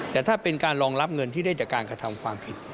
แต่ถ้าเป็นการรองรับเงินที่ได้จากการกระทำความผิด